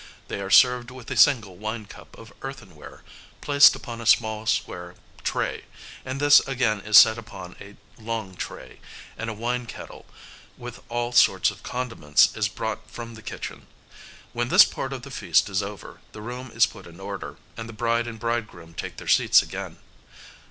They are served with a single wine cup of earthenware, placed upon a small square tray, and this again is set upon a long tray, and a wine kettle with all sorts of condiments is brought from the kitchen. When this part of the feast is over, the room is put in order, and the bride and bridegroom take their seats again.